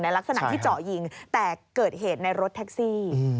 ลักษณะที่เจาะยิงแต่เกิดเหตุในรถแท็กซี่